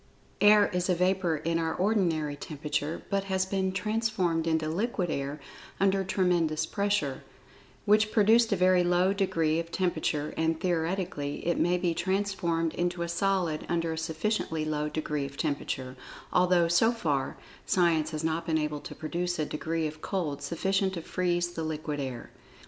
Air is a vapor in our ordinary temperature, but has been transformed into "liquid air" under tremendous pressure, which produced a very low degree of temperature, and, theoretically, it may be transformed into a[Pg 64] solid under a sufficiently low degree of temperature, although so far, Science has not been able to produce a degree of cold sufficient to "freeze" the liquid air.